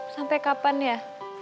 sampai kapan ya